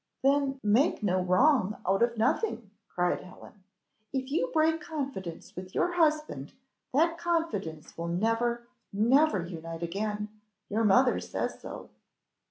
"Then make no wrong out of nothing," cried Helen. "If you break confidence with your husband, that confidence will never, never unite again your mother says so."